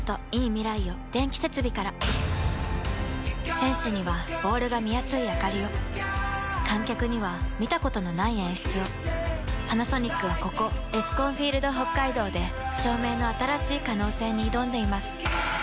選手にはボールが見やすいあかりを観客には見たことのない演出をパナソニックはここエスコンフィールドＨＯＫＫＡＩＤＯで照明の新しい可能性に挑んでいます